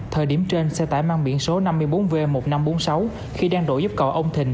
thời điểm trên xe tải mang biển số năm mươi bốn v một nghìn năm trăm bốn mươi sáu khi đang đổ giúp cầu ông thình